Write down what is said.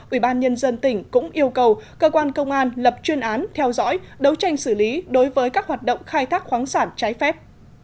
ủy ban nhân dân tỉnh cũng yêu cầu cơ quan công an lập chuyên án theo dõi đấu tranh xử lý đối với các hoạt động khai thác khoáng sản trái phép